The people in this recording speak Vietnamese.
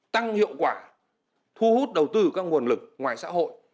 tăng hiệu quả thu hút đầu tư các nguồn lực ngoài xã hội